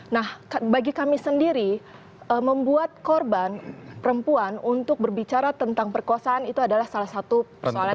nah bagi kami sendiri membuat korban perempuan untuk berbicara tentang perkosaan itu adalah salah satu persoalan